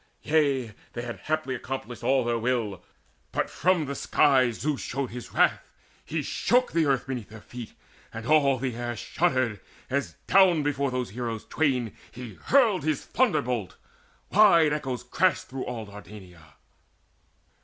Yea, they had haply accomplished all their will, But from the sky Zeus showed his wrath; he shook The earth beneath their feet, and all the air Shuddered, as down before those heroes twain He hurled his thunderbolt: wide echoes crashed Through all Dardania.